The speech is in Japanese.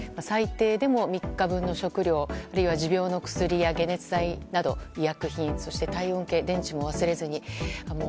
最低でも３日分の食料、あるいは持病の薬や解熱剤などの医薬品そして体温計、電池も忘れずに。